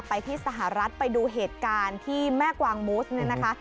ไปที่สหรัฐไปดูเหตุการณ์ที่แม่กวางมูสเนี่ยนะคะ